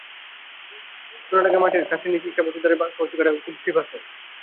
সোনাডাঙা মাঠের নিচে ইছামতীর ধারে কাঁচিকাটা খালের মুখে ছিপে খুব মাছ ওঠে।